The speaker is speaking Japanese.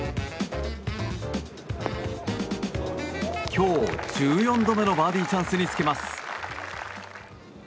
今日１４度目のバーディーチャンスにつけます。